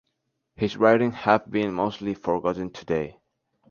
His writings have been mostly forgotten today.